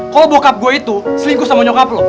kalau bokap gue itu selingkuh sama nyokap lo